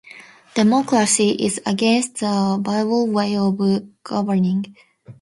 Democracy is against the bible way of governing.